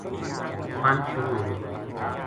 پل شروع ہوگئی